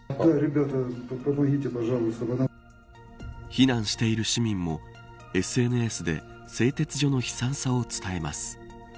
避難している市民もＳＮＳで製鉄所の悲惨さを伝えます。